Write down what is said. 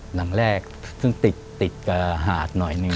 หลังแรกซึ่งติดกับหาดหน่อยหนึ่ง